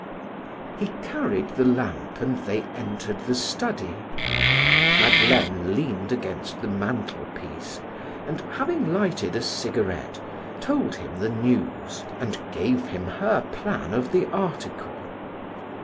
He carried the lamp and they entered the study. Madeleine leaned, against the mantelpiece, and having lighted a cigarette, told him the news and gave him her plan of the article.